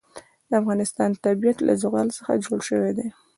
د افغانستان طبیعت له زغال څخه جوړ شوی دی.